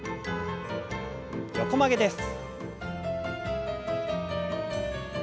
横曲げです。